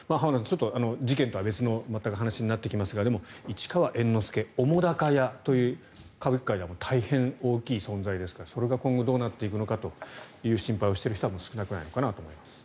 ちょっと事件とは全く別の話になってきますがでも市川猿之助、澤瀉屋という歌舞伎界では大変大きい存在ですからそれが今後どうなっていくのかという心配をしている人は少なくないのかなと思います。